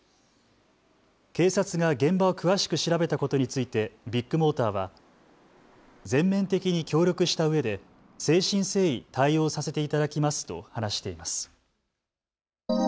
警察が現場を詳しく調べたことについてビッグモーターは全面的に協力したうえで誠心誠意、対応させていただきますと話しています。